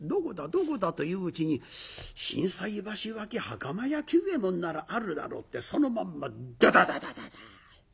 「どこだ？」といううちに心斎橋脇袴屋九衛門ならあるだろうってそのまんまダダダダダ！